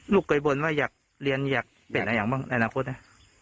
ลูกเคยบ่นว่าอยากเรียนอยากเปลี่ยนอะไรอย่างบ้างในอนาคตนะ